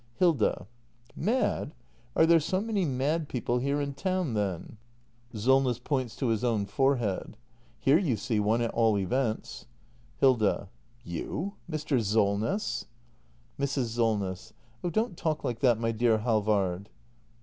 Hilda. Mad ? Are there so many mad people here in town, then? Solness. [Points to his own forehead.] Here you see o n e at all events. Hilda. You — Mr. Solness! Mrs. Solness. Oh, don't talk like that, my dear Halvard!